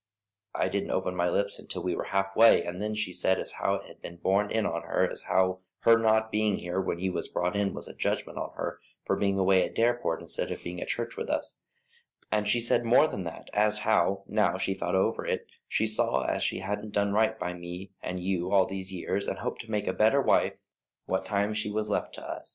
I didn't open my lips until we were half way, and then she said as how it had been borne in on her as how her not being here when you was brought in was a judgment on her for being away at Dareport instead of being at church with us; and she said more than that, as how, now she thought over it, she saw as she hadn't done right by me and you all these years, and hoped to make a better wife what time she was left to us.